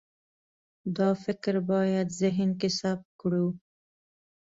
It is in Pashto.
دا فکر باید ذهن کې ثبت کړو.